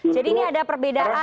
jadi ini ada perbedaan